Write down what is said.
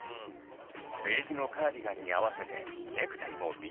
ベージュのカーディガンに合わせてネクタイも緑に。